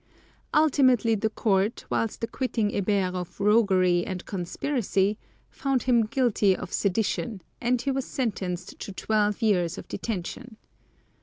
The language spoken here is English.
Ultimately the Court, whilst acquitting Hébert of roguery and conspiracy, found him guilty of sedition, and he was sentenced to twelve years of detention.